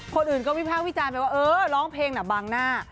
คนอื่นก็วิภาควิจารณ์ไปว่าเออร้องเพลงน่ะบางหน้า